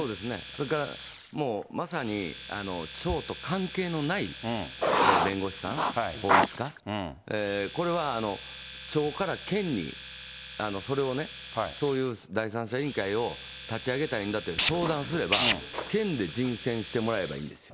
それからまさに、町と関係のない弁護士さん、法律家、これは町から県に、それをね、そういう第三者委員会を立ち上げたいんだって相談すれば、県で人選してもらえばいいんですよ。